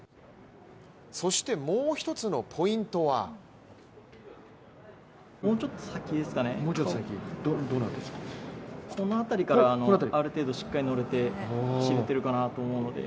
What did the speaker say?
そして、もう一つのポイントはもうちょっと先ですかね、この辺りからある程度しっかり乗れて、走れてるかなと思うので。